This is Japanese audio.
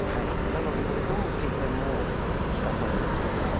なのでこれどう受けても利かされというか。